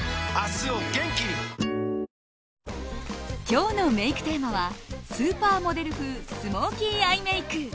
今日のメイクテーマはスーパーモデル風スモーキーアイメイク！